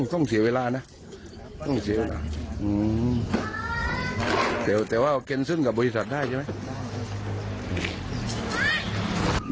ส่วนของเรานี้ต้องเสียเวลาน่ะต้องเสียตายแต่ว่าแกนซึ้นกับบริษัทได้ใช่ไหม